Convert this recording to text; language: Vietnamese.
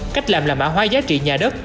cách làm là mã hóa giá trị nhà đất